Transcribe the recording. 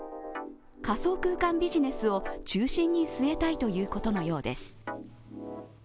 仮想空間ビジネスを中心に据えたいということのようです。